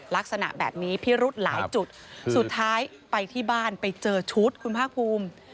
ลักษณะแบบนี้พิรุธหลายจุดสุดท้ายไปที่บ้านไปเจอชุดคุณภาคภูมิ